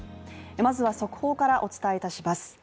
まずは速報からお伝えいたします。